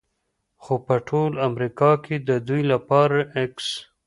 خو په ټول امریکا کې د دوی لپاره x